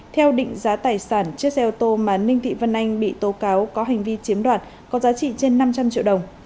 theo định giá tài sản chiếc xe ô tô mà ninh thị vân anh bị tố cáo có hành vi chiếm đoạt có giá trị trên năm trăm linh triệu đồng